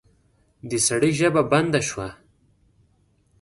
د سړي ژبه بنده شوه.